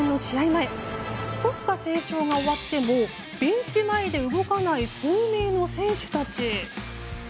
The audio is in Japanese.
前国歌斉唱が終わってもベンチ前で動かない数名の選手たち。